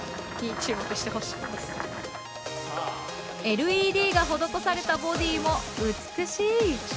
ＬＥＤが施されたボディーも美しい。